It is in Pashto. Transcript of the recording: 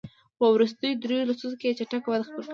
خو په وروستیو دریوو لسیزو کې یې چټکه وده خپله کړې.